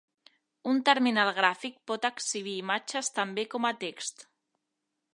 Un terminal gràfic pot exhibir imatges tan bé com a text.